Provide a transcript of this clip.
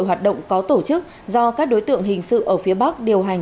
hoạt động có tổ chức do các đối tượng hình sự ở phía bắc điều hành